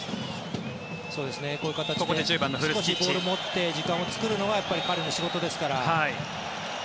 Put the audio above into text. こういう形でボールを持って時間を作るのが彼の仕事ですから。